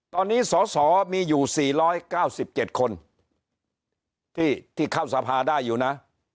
ตอนนี้สสมีอยู่๔๙๗คนที่เข้าสภาได้อยู่นะ